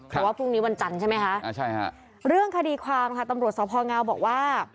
เพราะว่าพรุ่งนี้วันจันทร์ใช่ไหมคะเรื่องคดีความค่ะตำรวจสพงบอกว่า